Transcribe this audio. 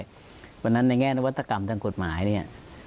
เพราะฉะนั้นในแง่นวัตกรรมทางกฎหมายเนี่ย